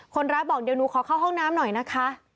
คนร้ายบอกเดี๋ยวหนูขอเข้าห้องน้ำหน่อยนะคะ